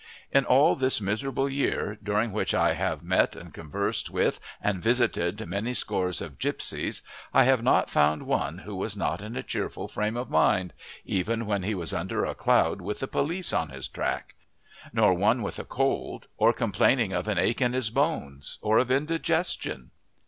In all this miserable year, during which I have met and conversed with and visited many scores of gipsies, I have not found one who was not in a cheerful frame of mind, even when he was under a cloud with the police on his track; nor one with a cold, or complaining of an ache in his bones, or of indigestion.